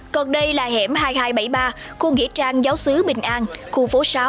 còn đây là hẻm hai nghìn hai trăm bảy mươi ba khu nghỉ trang giáo sứ bình an khu phố sáu